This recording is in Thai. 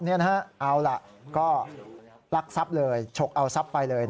เอาล่ะก็ลักซับเลยชกเอาซับไปเลย